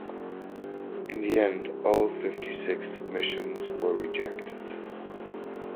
In the end all fifty six submissions were rejected.